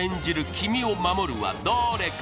「君を守る！」はどーれか？